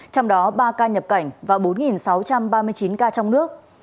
trong đó ba ca nhập cảnh và bốn sáu trăm ba mươi chín ca trong nước